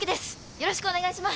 よろしくお願いします。